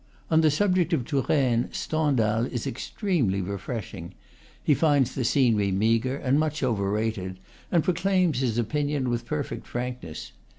On the subject of Touraine, Stendhal is extremely refresh ing; he finds the scenery meagre and much overrated, and proclaims his opinion with perfect frankness.